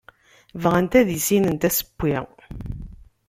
Bɣant ad issinent asewwi.